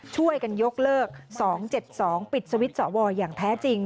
ช่วยกันยกเลิก๒๗๒ปิดสวิตช์สวอย่างแท้จริง